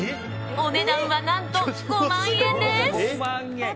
お値段は、何と５万円です。